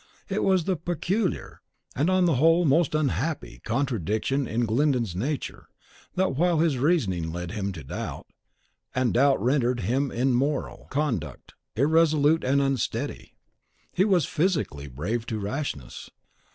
It was the peculiar, and on the whole most unhappy, contradiction in Glyndon's nature, that while his reasonings led him to doubt, and doubt rendered him in MORAL conduct irresolute and unsteady; he was PHYSICALLY brave to rashness.